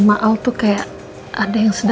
pa kerja naradel di lokasi ya